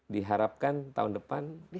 diharapkan tahun depan